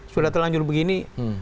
sudah telanjur begini